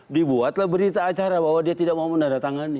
dibuatlah berita acara bahwa dia tidak mau mendata tangani